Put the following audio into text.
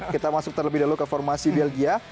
kita masuk terlebih dahulu ke formasi belgia